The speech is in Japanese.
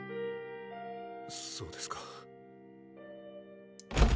そうですか。